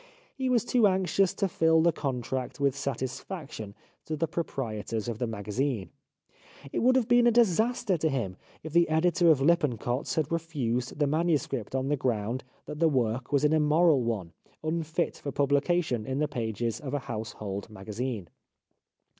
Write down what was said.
He was too anxious to fill the contract with satisfaction to the proprietors of the magazine. It would have been a disaster to him if the editor of Lippincott's had refused the manuscript on the ground that the work was an immoral one, unfit for pubhcation in the pages of a household magazine.